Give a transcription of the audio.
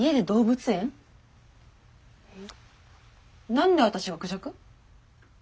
何で私がクジャク？